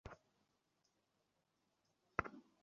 আমরা নতুন অ্যাপার্টমেন্ট পাবো, নতুন বিল্ডিংগুলোতে।